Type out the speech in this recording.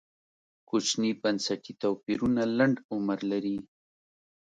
کوچني بنسټي توپیرونه لنډ عمر لري.